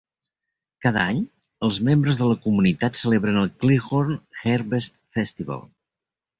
Cada any, els membres de la comunitat celebren el Cleghorn Harvest Festival.